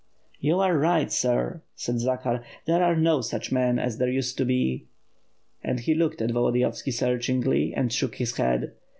'^ "You are right, sir," said Zakhar, "there are no such men as there used to be." And he looked at Volodiyovski searchingly and shook his head.